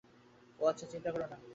ওহ, আহ, চিন্তা করো না।